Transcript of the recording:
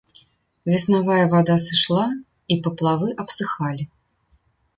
Веснавая вада сышла, і паплавы абсыхалі.